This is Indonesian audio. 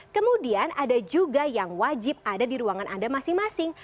kemudian ada juga yang wajib ada di ruangan anda masing masing